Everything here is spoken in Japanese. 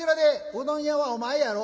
「うどん屋はお前やろ」。